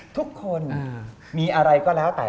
ทุกคนมีอะไรก็แล้วแต่